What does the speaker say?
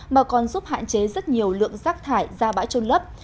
mà còn giúp hạn chế rất nhiều lượng rác thải ra bãi trôn lấp